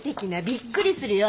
びっくりするよ。